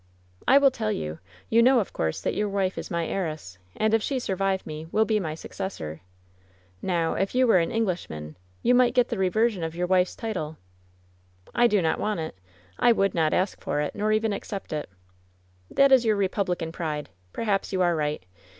"I will tell you. You know, of course, that your wife is my heiress, and if she survive me, will be my succes sor. Now, if you were an Englishman you might get the reversion of your wif e^s title." "I do not want it. I would not ask for it, nor even accept it." "That is your republican pride. Perhaps you are right.